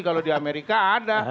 kalau di amerika ada